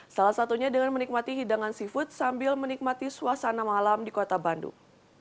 salah satunya dengan menikmati hidangan seafood sambil menikmati suasana malam di kota bandung